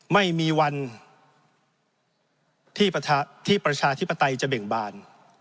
ไม่มีวันที่ประชาธิปไตยจะเบ่งบาน